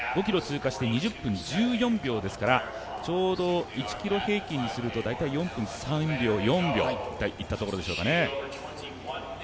５ｋｍ通過して２０分１４秒ですからちょうど１ｋｍ平均でいいますと４分３秒、４秒といったところでしょうかね